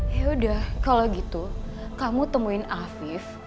yaudah kalau gitu kamu temuin afif